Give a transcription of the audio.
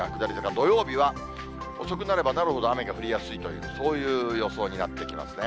土曜日は遅くなればなるほど雨が降りやすいという、そういう予想になってきますね。